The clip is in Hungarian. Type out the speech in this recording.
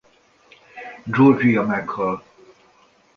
Georgia meghal.